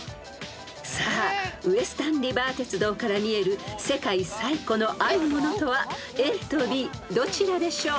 ［さあウエスタンリバー鉄道から見える世界最古のあるものとはＡとＢどちらでしょう？］